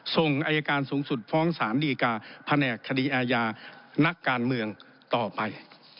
ส่งอายการสูงสุดฟ้องสารดีกาแผนกคดีอาญานักการเมืองต่อไป